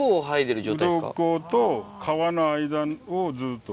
ウロコと皮の間をずっと。